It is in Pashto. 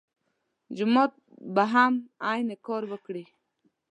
جومات به هم عین کار وکړي.